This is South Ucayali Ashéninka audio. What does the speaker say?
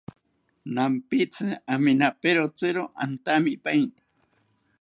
Nampitzi aminaperotziro antamipaeni